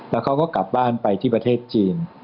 แล้วเขาก็กลับบ้านไปที่ประเทศจีน